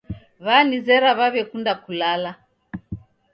Wanizera waw'ekunda kulala.